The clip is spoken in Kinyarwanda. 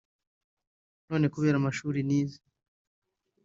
none kubera amashuri nize